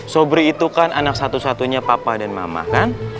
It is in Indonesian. sobri itu kan anak satu satunya papa dan mama kan